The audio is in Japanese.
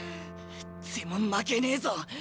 でも負けねえぞ。